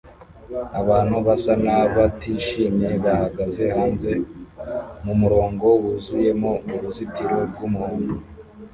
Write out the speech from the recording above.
Abantu basa nabatishimye bahagaze hanze mumurongo wuzuyemo uruzitiro rwumuhondo